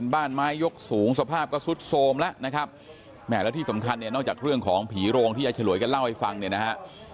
บ้านไม้ยกสูงสภาพก็สุดโทรมแล้วนะครับแม่แล้วที่สำคัญเนี่ยนอกจากเรื่องของผีโรงที่ยายฉลวยกันเล่าให้ฟังเนี่ยนะฮะ